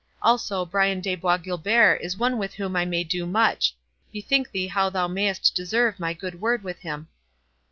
Also Brian de Bois Guilbert is one with whom I may do much—bethink thee how thou mayst deserve my good word with him."